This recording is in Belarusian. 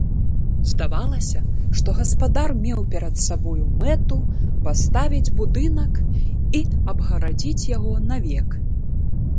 Здавалася, што гаспадар меў перад сабою мэту паставіць будынак і абгарадзіць яго навек.